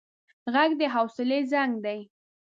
غږ د حوصله زنګ دی